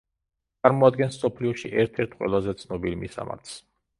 წარმოადგენს მსოფლიოში ერთ-ერთ ყველაზე ცნობილ მისამართს.